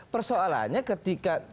persoalannya ketika dilakukan komitmen